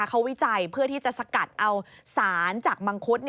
เขาวิจัยเพื่อที่จะสกัดเอาสารจากมังคุด